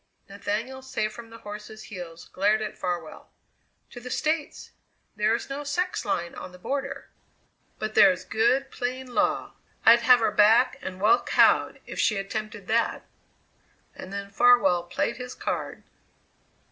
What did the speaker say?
Nathaniel, safe from the horse's heels, glared at Farwell. "To the States. There is no sex line on the border." "But there's good, plain law. I'd have her back and well cowed, if she attempted that!" And then Farwell played his card.